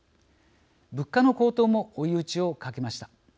物価の高騰も追い打ちをかけました。